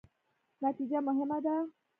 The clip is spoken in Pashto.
نتیجه مهمه ده